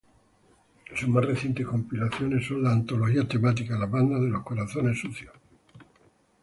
Sus más recientes compilaciones son las antologías temáticas "La banda de los corazones sucios.